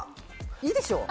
いいでしょう。